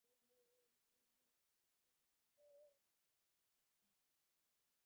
সম্প্রদায় গঠনের যেমন প্রয়োজন, তেমনি সম্প্রদায়গত ভাবের উপরে উঠারও প্রয়োজন।